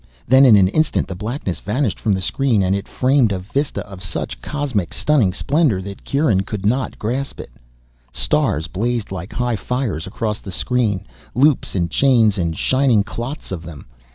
Then, in an instant, the blackness vanished from the screen and it framed a vista of such cosmic, stunning splendor that Kieran could not grasp it. Stars blazed like high fires across the screen, loops and chains and shining clots of them.